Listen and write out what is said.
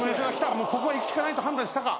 もうここはいくしかないと判断したか？